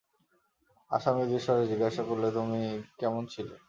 আশা মৃদুস্বরে জিজ্ঞাসা করিল, তুমি কেমন ছিলে।